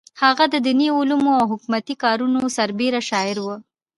هغه د دیني علومو او حکومتي کارونو سربېره شاعره وه.